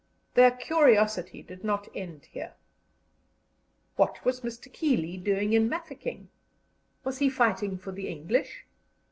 Their curiosity did not end here. What was Mr. Keeley doing in Mafeking? Was he fighting for the English?